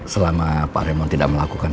selama pak remo tidak melakukan